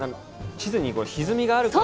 地図にひずみがあるから。